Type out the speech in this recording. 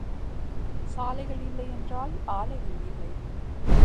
சாலைகள் இல்லை என்றால் ஆலைகள் இல்லை.